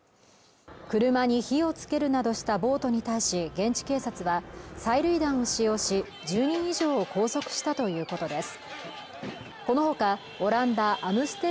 車に火をつけるなどした暴徒に対し現地警察は催涙弾を使用し１０人以上を拘束したということです